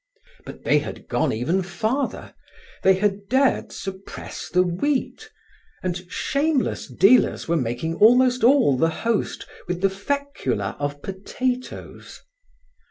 But they had gone even farther. They had dared suppress the wheat and shameless dealers were making almost all the Host with the fecula of potatoes.